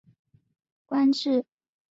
官至江西粮道。